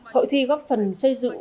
hội thi góp phần xây dựng